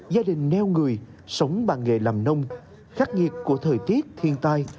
gia đình neo người sống bằng nghề làm nông khắc nghiệt của thời tiết thiên tai